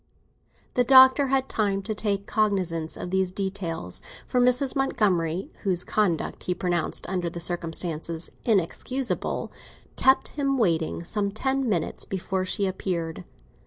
The Doctor had time to take cognisance of these details, for Mrs. Montgomery, whose conduct he pronounced under the circumstances inexcusable, kept him waiting some ten minutes before she appeared.